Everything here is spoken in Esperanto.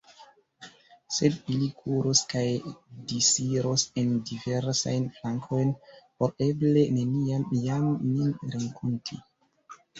Sed ili kuros kaj disiros en diversajn flankojn, por eble neniam jam nin renkonti.